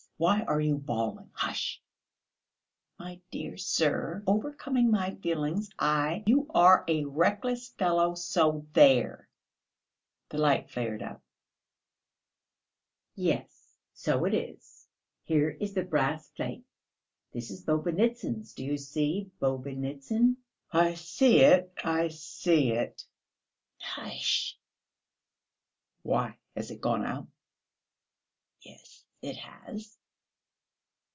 Why are you bawling? Hush!..." "My dear sir, overcoming my feelings, I ... you are a reckless fellow, so there!..." The light flared up. "Yes, so it is; here is the brass plate. This is Bobynitsyn's; do you see Bobynitsyn?" "I see it, I see it." "Hu ush!" "Why, has it gone out?" "Yes, it has."